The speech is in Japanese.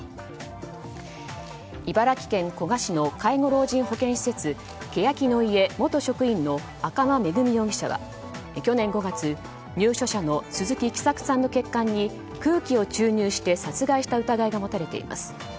茨城県古河市の介護老人保健施設けやきの舎元職員の赤間恵美容疑者は去年５月、入所者の鈴木喜作さんの血管に空気を注入して殺害した疑いが持たれています。